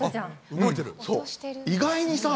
動いてる。